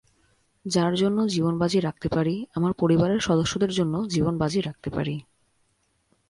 যার জন্য জীবন বাজি রাখতে পারিআমার পরিবারের সদস্যদের জন্য জীবন বাজি রাখতে পারি।